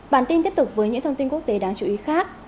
bản tin tiếp tục với những thông tin quốc tế đáng chú ý khác